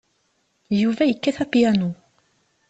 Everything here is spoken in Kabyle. Yuba yekkat apyanu.